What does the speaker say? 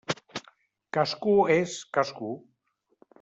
Cascú és cascú.